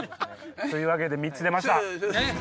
というわけで３つ出ました。